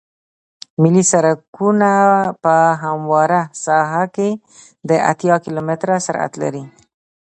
ملي سرکونه په همواره ساحه کې د اتیا کیلومتره سرعت لري